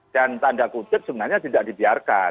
dan tanda kutip sebenarnya tidak dibiarkan